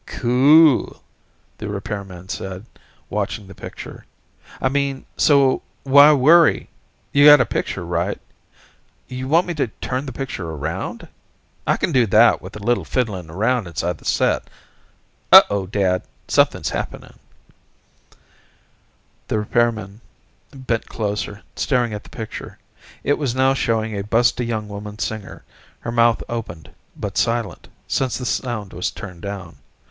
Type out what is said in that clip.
"Cool," the repairman said, watching the picture. "I mean, so why worry? You got a picture, right? You want me to turn the picture around? I can do that with a little fiddling around inside the set ... uh oh. Dad, something's happening." The repairman bent closer, staring at the picture. It was now showing a busty young woman singer, her mouth opened, but silent, since the sound was turned down.